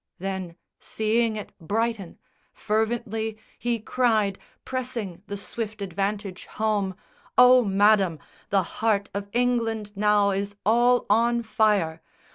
Then, seeing it brighten, fervently he cried, Pressing the swift advantage home, "O, Madam, The heart of England now is all on fire!